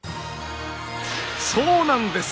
そうなんです！